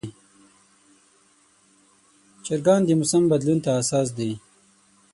چرګان د موسم بدلون ته حساس دي.